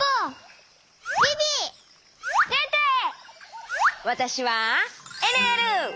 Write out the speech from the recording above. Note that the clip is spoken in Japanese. わたしはえるえる！